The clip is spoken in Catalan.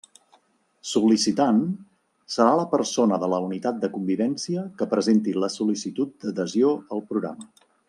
Sol·licitant, serà la persona de la unitat de convivència que presenti la sol·licitud d'adhesió al programa.